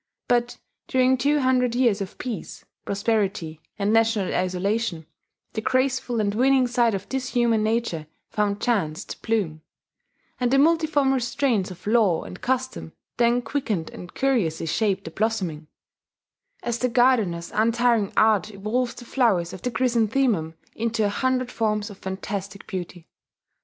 But during two hundred years of peace, prosperity, and national isolation, the graceful and winning side of this human nature found chance to bloom; and the multiform restraints of law and custom then quickened and curiously shaped the blossoming, as the gardener's untiring art evolves the flowers of the chrysanthemum into a hundred forms of fantastic beauty....